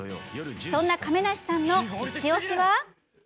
そんな亀梨さんのいちオシは。